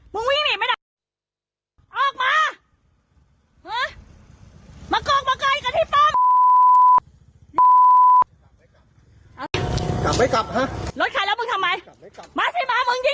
มึงทำไงมึงมีอาหารหัวอะไร